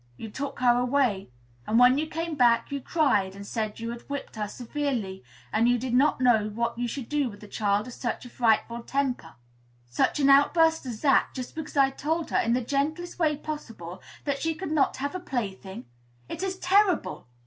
You took her away; and when you came back, you cried, and said you had whipped her severely, and you did not know what you should do with a child of such a frightful temper. "Such an outburst as that, just because I told her, in the gentlest way possible, that she could not have a plaything! It is terrible!"